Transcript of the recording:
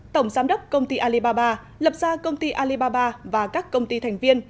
tổng giám đốc công ty alibaba lập ra công ty alibaba và các công ty thành viên